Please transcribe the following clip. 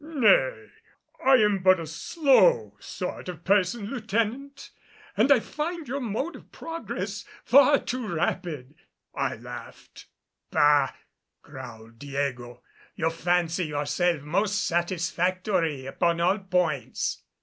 "Nay, I am but a slow sort of person, lieutenant, and find your mode of progress far too rapid," I laughed. "Bah!" growled Diego. "You fancy yourself most satisfactory upon all points."